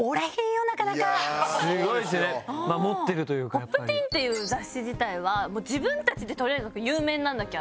『Ｐｏｐｔｅｅｎ』っていう雑誌自体はもう自分たちでとりあえず有名になんなきゃ。